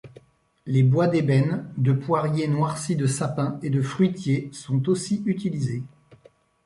Les bois d'ébène, de poirier noirçi de sapins et de fruitiers sont aussi utilisés.